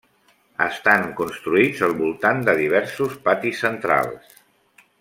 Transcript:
Estan construïts al voltant de diversos patis centrals.